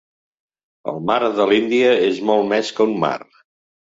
El mar de l'Índia és molt més que un mar.